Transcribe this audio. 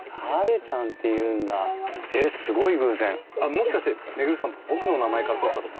もしかして周さん僕の名前から取ったとか？